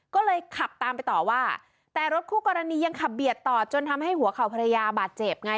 ก็เลยขับตามไปต่อว่าแต่รถคู่กรณียังขับเบียดต่อจนทำให้หัวเข่าภรรยาบาดเจ็บไง